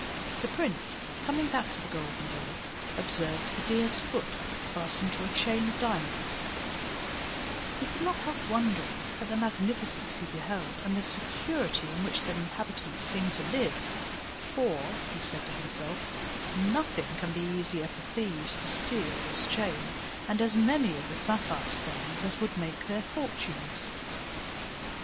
The prince coming back to the golden door, observed a deer's foot fastened to a chain of diamonds; he could not help wondering at the magnificence he beheld, and the security in which the inhabitants seemed to live; "for," said he to himself, "nothing can be easier than for thieves to steal this chain, and as many of the sapphire stones as would make their fortunes."